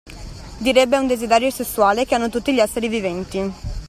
Direbbe è un desiderio sessuale che hanno tutti gli essere viventi.